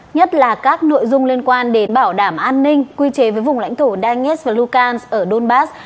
nhất là các nội dung liên quan đến bảo đảm an ninh quy chế với vùng lãnh thổ danesk và lukansk ở donbass